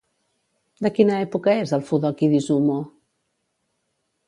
De quina època és el Fudoki d'Izumo?